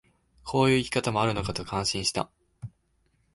こういう生き方もあるのかと感心した